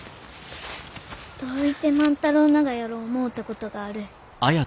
どういて万太郎ながやろう思うたことがある。